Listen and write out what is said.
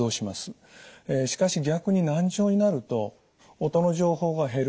しかし逆に難聴になると音の情報が減る。